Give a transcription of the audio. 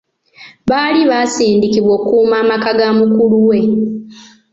Baali baasindikibwa okukuuma amaka ga mukulu we.